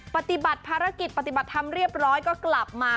ปฏิบัติภารกิจปฏิบัติธรรมเรียบร้อยก็กลับมา